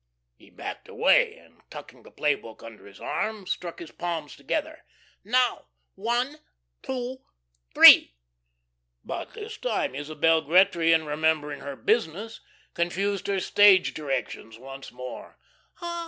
He backed away and, tucking the play book under his arm, struck his palms together. "Now, one two three." But this time Isabel Gretry, in remembering her "business," confused her stage directions once more.